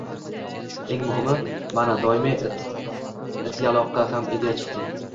Eng muhimi, mana, doimiy ityaloqqa ham ega chiqdim